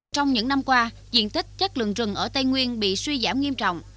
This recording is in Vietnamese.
trong những năm qua diện tích chất lượng rừng ở tây nguyên bị suy giảm nghiêm trọng